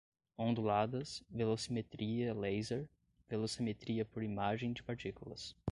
onduladas, velocimetria laser, velocimetria por imagem de partículas